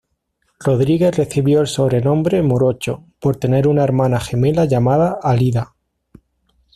Rodríguez recibió el sobrenombre "morocho", por tener una hermana gemela llamada Alida.